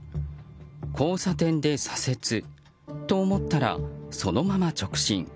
交差点で左折と思ったらそのまま直進。